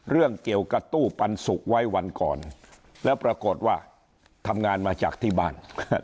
เรื่องเกี่ยวกับตู้ปันสุกไว้วันก่อนแล้วปรากฏว่าทำงานมาจากที่บ้าน